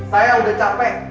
saya udah capek